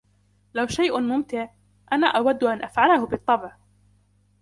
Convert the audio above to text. لو شئ مُمتع, أنا أود أن أفعلهُ, بالطبع.